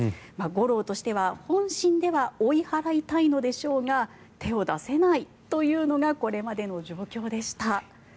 ゴローとしては本心では追い払いたいのでしょうが手を出せないというのがこれまでの状況でした。